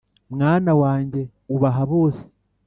mwana wanjye ubaha bose